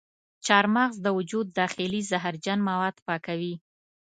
چارمغز د وجود داخلي زهرجن مواد پاکوي.